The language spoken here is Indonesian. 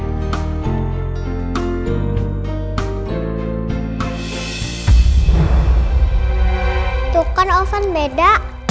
itu kan oven beda